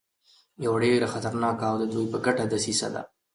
یوه ډېره خطرناکه او د دوی په ګټه دسیسه ده.